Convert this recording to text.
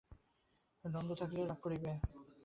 নন্দ থাকিলে রাগ করিবে, হয়তো অপমানও করিবে।